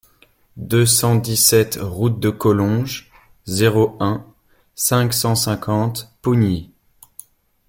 deux cent dix-sept route de Collonges, zéro un, cinq cent cinquante Pougny